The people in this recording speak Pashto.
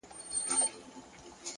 هڅه کوونکی انسان لاره پیدا کوي,